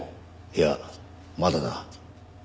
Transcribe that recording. いやまだだ。